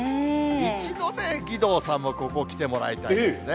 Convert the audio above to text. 一度ね、義堂さんもここ来てもらいたいですね。